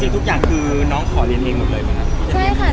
จริงทุกอย่างคือน้องขอเรียนเองหรือมั้ยครับ